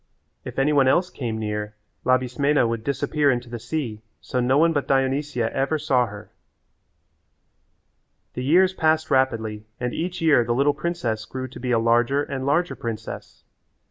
If any one else came near Labismena would disappear into the sea so no one but Dionysia ever saw her. The years passed rapidly and each year the little princess grew to be a larger and larger princess.